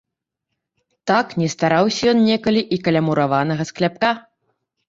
Так не стараўся ён некалі і каля мураванага скляпка.